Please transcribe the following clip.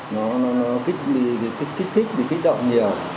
nó kích thích bị kích động nhiều